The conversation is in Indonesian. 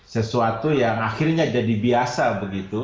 sesuatu yang akhirnya jadi biasa begitu